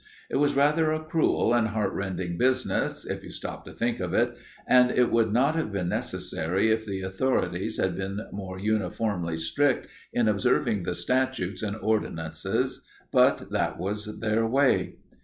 It was rather a cruel and heart rending business, if you stopped to think of it, and it would not have been necessary if the authorities had been more uniformly strict in observing the statutes and ordinances, but that was their way.